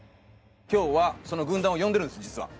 今日はその軍団を呼んでるんです実は。